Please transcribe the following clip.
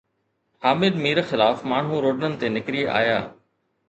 حامد مير خلاف ماڻهو روڊن تي نڪري آيا